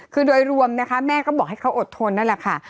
คือโดยรวมนะคะแม่ก็บอกให้เขาอดทนนั่นแหละค่ะ